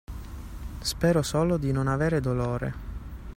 Spero solo di non avere dolore.